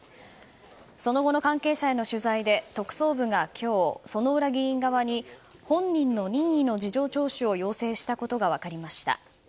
その後の関係者への取材で特捜部が今日薗浦議員側に本人の任意の事情聴取を要請したことが分かりました。